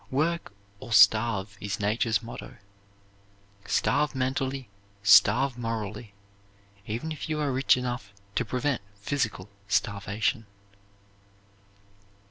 Work or starve is Nature's motto; starve mentally, starve morally, even if you are rich enough to prevent physical starvation.